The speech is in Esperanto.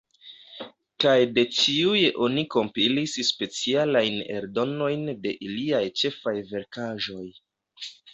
Kaj de ĉiuj oni kompilis specialajn eldonojn de iliaj ĉefaj verkaĵoj.